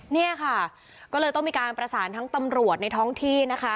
เนี่ยค่ะก็เลยต้องมีการประสานทั้งตำรวจในท้องที่นะคะ